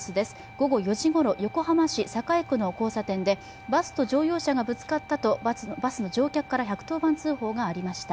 午後４時ごろ横浜市栄区の交差点でバスと乗用車がぶつかったとバスの乗客から１１０番通報がありました